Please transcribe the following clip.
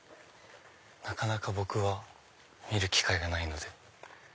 なかなか僕は見る機会がないので。